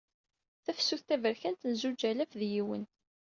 Tafsut taberkan n zuǧ alaf d yiwen.